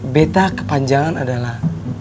beta kepanjangan adalah